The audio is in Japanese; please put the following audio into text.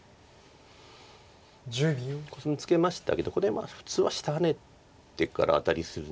コスミツケましたけどこれ普通は下ハネてからアタリするのかなと。